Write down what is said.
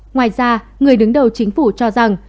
ngoài ra người đứng đầu chính phủ cho rằng